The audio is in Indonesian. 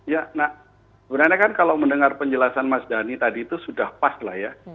ya nah sebenarnya kan kalau mendengar penjelasan mas dhani tadi itu sudah pas lah ya